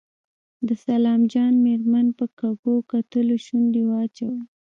د سلام جان مېرمن په کږو کتلو شونډې واچولې.